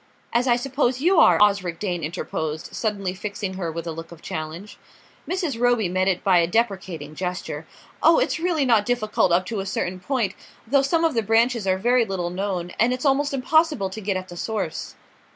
"As I suppose you are?" Osric Dane interposed, suddenly fixing her with a look of challenge. Mrs. Roby met it by a deprecating gesture. "Oh, it's really not difficult up to a certain point; though some of the branches are very little known, and it's almost impossible to get at the source."